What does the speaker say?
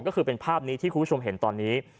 ก็คือเป็นภาพนี้ที่คุณผู้ชมเห็นตอนนี้